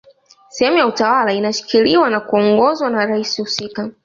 sehemu ya utawala inashikiliwa na kuongozwa na rais husika